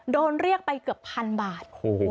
โดนเรียกไปเกือบพันบาท